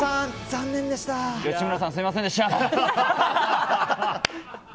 吉村さん、すみませんでした。